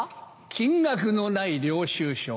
金額のない領収書。